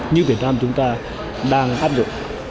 như việt nam chúng ta đang áp dụng